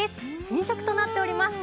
新色となっております。